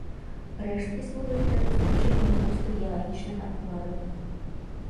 Рэшткі служаць для вызначэння ўзросту геалагічных адкладаў.